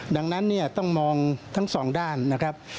ดังนั้นเนี่ยต้องมองทั้งสองด้านนะครับ